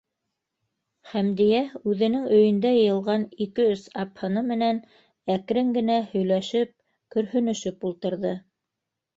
Хәмдиә үҙенең өйөндә йыйылған ике-өс апһыны менән әкрен генә һөйләшеп, көрһөнөшөп ултырҙы.